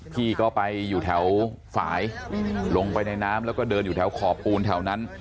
พี่ก็ไปอยู่แถวฝ่ายลงไปในน้ำแล้วก็เดินอยู่แถวขอบปูนแถวนั้น